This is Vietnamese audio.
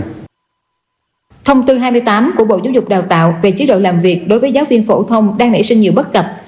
thông tư hai mươi tám của bộ giáo dục đào tạo về chế độ làm việc đối với giáo viên phổ thông đang nảy sinh nhiều bất cập